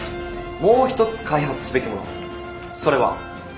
もう一つ開発すべきものそれは。